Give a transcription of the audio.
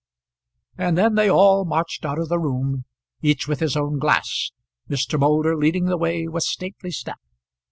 And then they all marched out of the room, each with his own glass, Mr. Moulder leading the way with stately step.